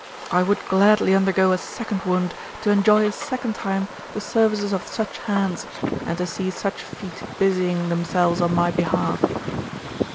I would gladly undergo a second wound to enjoy a second time the services of such hands, and to see such feet busying themselves on my behalf.